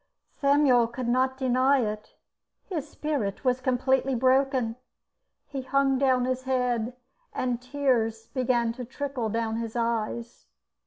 Samiul could not deny it. His spirit was completely broken; he hung down his head, and tears began to trickle down his eyes.